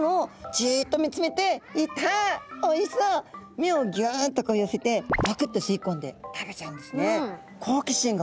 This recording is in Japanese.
目をギュンとこう寄せてパクって吸い込んで食べちゃうんですね。